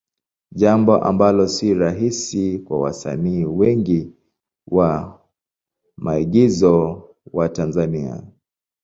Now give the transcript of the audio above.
Jambo ambalo sio rahisi kwa wasanii wengi wa maigizo wa Tanzania.